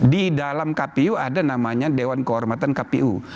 di dalam kpu ada namanya dewan kehormatan kpu